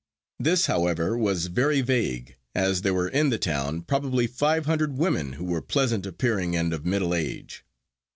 This, however, was very vague, as there were in the town probably five hundred women who were pleasant appearing and of middle age.